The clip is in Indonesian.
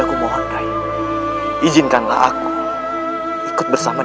kau dengan selamat